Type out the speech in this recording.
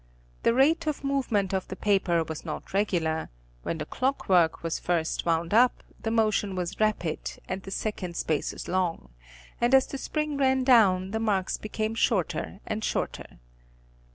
The rate of movement of the paper was not regular; when the clock work was first wound up the motion was rapid and the second spaces long, and as the spring ran down the marks became shorter and shorter.